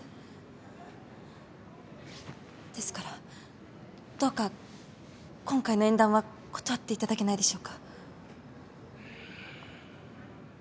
ですからどうか今回の縁談は断っていただけないでしょうか。